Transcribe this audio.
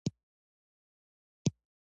آیا د بیمې شرکتونه لرو؟